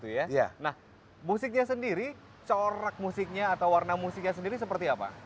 nah musiknya sendiri corak musiknya atau warna musiknya sendiri seperti apa